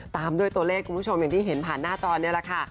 ตามด้วยตัวเลขคุณผู้ชมอย่างที่เห็นผ่านหน้าจอนี่แหละค่ะ